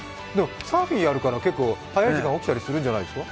サーフィンやるから結構早い時間に起きたりするんじゃないですか？